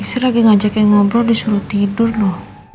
istri lagi ngajakin ngobrol disuruh tidur lho